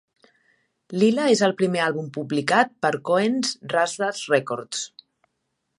"Lyla" és el primer àlbum publicat per Cohen's Razdaz Recordz.